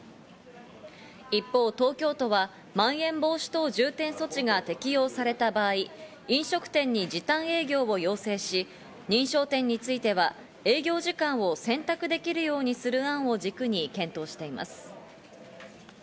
一方、東京都はまん延防止等重点措置が適用された場合、飲食店に時短営業を要請し、認証店については営業時間を選択できるようにする案を軸に検討しています。